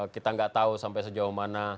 kita nggak tahu sampai sejauh mana